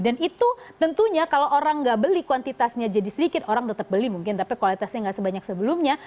dan itu tentunya kalau orang enggak beli kuantitasnya jadi sedikit orang tetap beli mungkin tapi kualitasnya enggak sebanyak sebelumnya